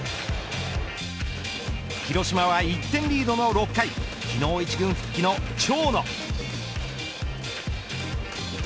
広島は１点リードの６回昨日１軍復帰の長野。